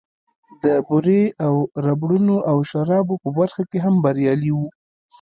د بورې او ربړونو او شرابو په برخه کې هم بريالی و.